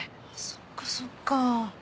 そっかそっか。